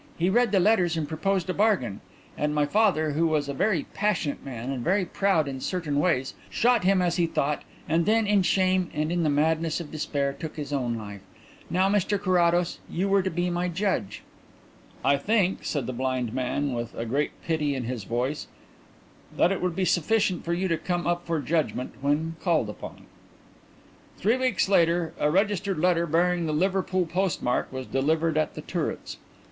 He read the letters and proposed a bargain. And my father, who was a very passionate man, and very proud in certain ways, shot him as he thought, and then, in shame and in the madness of despair, took his own life.... Now, Mr Carrados, you were to be my judge." "I think," said the blind man, with a great pity in his voice, "that it will be sufficient for you to come up for Judgment when called upon." Three weeks later a registered letter bearing the Liverpool postmark was delivered at The Turrets.